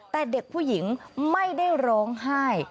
แต่เด็กผู้หญิงไม่ได้ร้องไห้